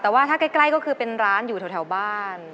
แต่ว่าถ้าใกล้ก็คือเป็นร้านอยู่แถวบ้าน